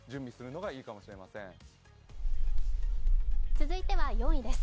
続いては４位です。